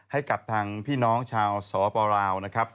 ให้กับทางพี่น้องชาวสปลาวนะครับ